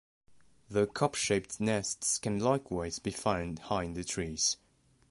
Their cup-shaped nests can likewise be found high in the trees.